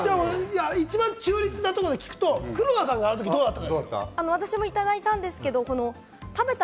一番中立なところを聞くと、黒田さんはどうだった？